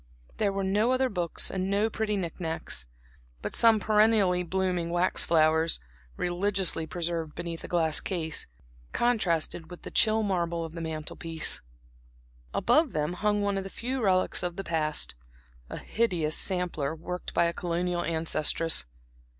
There were no other books and no pretty knick knacks; but some perennially blooming wax flowers, religiously preserved beneath a glass case, contrasted with the chill marble of the mantel piece. Above them hung one of the few relics of the past a hideous sampler worked by a colonial ancestress.